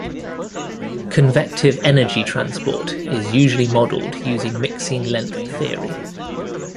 Convective energy transport is usually modeled using mixing length theory.